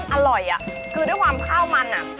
มันอร่อยอ่ะคือด้วยความข้าวมันน่ะ